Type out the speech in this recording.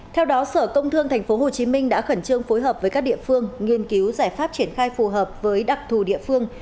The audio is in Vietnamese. theo đó sở công thương tp hcm đã khẩn trương phối hợp với các địa phương nghiên cứu giải pháp triển khai phù hợp với đặc thù địa phương